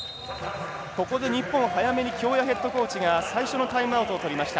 ここで日本早めに、京谷ヘッドコーチが最初のタイムアウトを取りました。